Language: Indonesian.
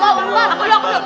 apa itu an